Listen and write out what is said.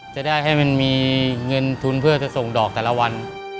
จะได้ให้มันมีเงินทุนเพื่อจะส่งดอกแต่ละวัน